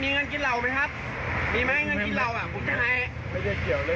ขอชุดมั้ยครับขอชุดมั้ย